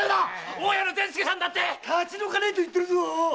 大家の善助さんも立ち退かねえと言ってるぞ！